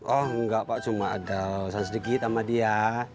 oh enggak pak cuma ada urusan sedikit sama dia